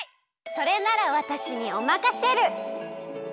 それならわたしにおまかシェル！